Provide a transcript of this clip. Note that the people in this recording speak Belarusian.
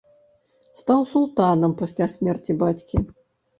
Стаў султанам пасля смерці бацькі.